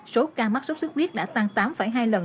số ca mắc sốt sốt khuyết đã tăng tám hai lần